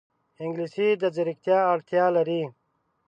انګلیسي د ځیرکتیا اړتیا لري